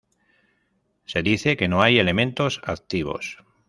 Se dice que no hay elementos activos.